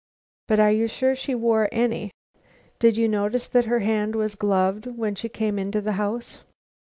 "But are you sure she wore any? Did you notice that her hand was gloved when she came into the house?"